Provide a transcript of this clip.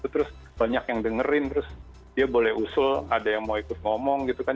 terus banyak yang dengerin terus dia boleh usul ada yang mau ikut ngomong gitu kan